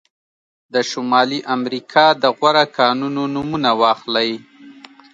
د شمالي امریکا د غوره کانونه نومونه واخلئ.